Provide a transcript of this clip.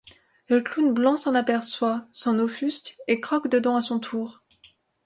Le clown blanc s'en aperçoit, s'en offusque, et croque dedans à son tour.